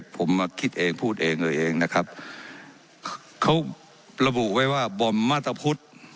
ผมมาคิดเองพูดเองเลยเองนะครับเขาระบุไว้ว่าบอมมาตรพุทธ